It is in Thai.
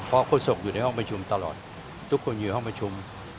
เพราะโฆษกอยู่ในห้องประชุมตลอดทุกคนอยู่ห้องประชุม